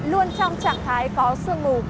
luôn trong trạng thái có sương mù